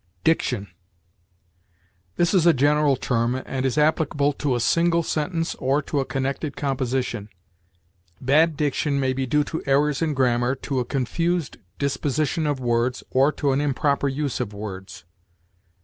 DICTION. This is a general term, and is applicable to a single sentence or to a connected composition. Bad diction may be due to errors in grammar, to a confused disposition of words, or to an improper use of words.